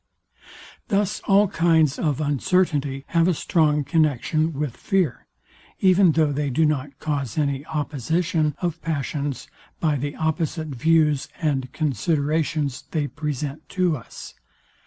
Thus all kinds of uncertainty have a strong connexion with fear, even though they do not cause any opposition of passions by the opposite views and considerations they present to us.